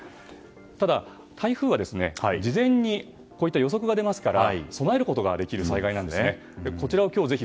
ただ、台風は事前にこういった予測が出ますから備えることができる災害なんです。